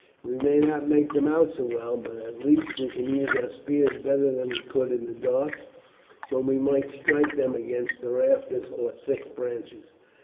We may not make them out so well, but at least we can use our spears better than we could in the dark, when we might strike them against the rafters or thick branches."